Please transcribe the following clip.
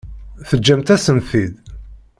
Teǧǧamt-asen-t-id?